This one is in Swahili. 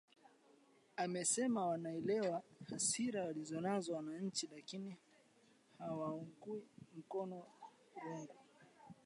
amesema wanaelewa hasira walizonazo wananchi lakini hawaungi mkono vurugu